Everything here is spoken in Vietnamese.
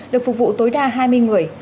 được phục vụ tối đa hai mươi người